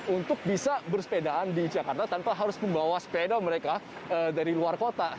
untuk bisa bersepedaan di jakarta tanpa harus membawa sepeda mereka dari luar kota